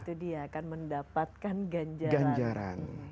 itu dia akan mendapatkan ganjaran